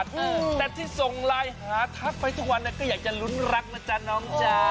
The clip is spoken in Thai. แต่ที่ส่งไลน์หาทักไปทุกวันก็อยากจะลุ้นรักนะจ๊ะน้องจ๊ะ